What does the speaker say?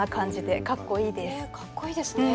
かっこいいですね。